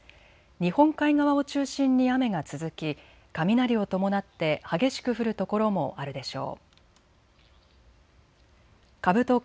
日本海側を中心に雨が続き雷を伴って激しく降る所もあるでしょう。